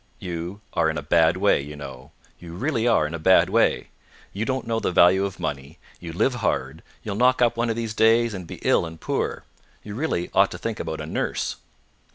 You are in a bad way, you know; you really are in a bad way. You don't know the value of money, you live hard, you'll knock up one of these days, and be ill and poor; you really ought to think about a nurse."